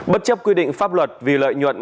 bất chấp quy định pháp luật vì lợi nhuận